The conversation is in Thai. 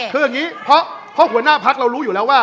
ก็อย่างนี้เพราะผู้หัวหน้าพักก็รู้อยู่แล้วว่า